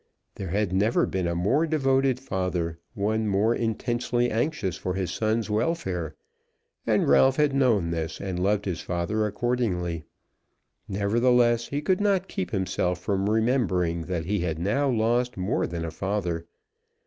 There had never been a more devoted father, one more intensely anxious for his son's welfare; and Ralph had known this, and loved his father accordingly. Nevertheless, he could not keep himself from remembering that he had now lost more than a father.